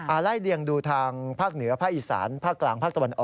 อะไระเรียงดูทางภาคเหนือภาคอิสรรภาคกลางภาคตะวันออกก่อน